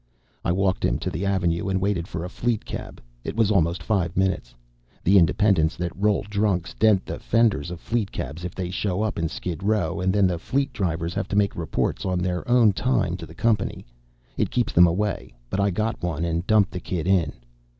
I walked him to the avenue and waited for a fleet cab. It was almost five minutes. The independents that roll drunks dent the fenders of fleet cabs if they show up in Skid Row and then the fleet drivers have to make reports on their own time to the company. It keeps them away. But I got one and dumped the kid in.